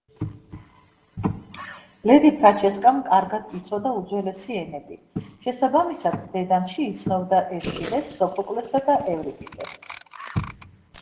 ლედი ფრანჩესკამ კარგად იცოდა უძველესი ენები, შესაბამისად, დედანში იცნობდა ესქილეს, სოფოკლესა და ევრიპიდეს.